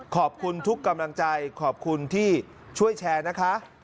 ขอบคุณทุกกำลังใจขอบคุณที่ช่วยแชร์นะคะ